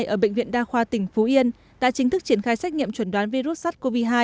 ở bệnh viện đa khoa tỉnh phú yên đã chính thức triển khai xét nghiệm chuẩn đoán virus sars cov hai